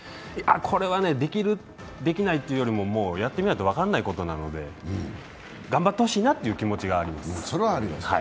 これはね、できる、できないというよりもやってみないと分からないことなので、頑張ってほしいなという気持ちがあります。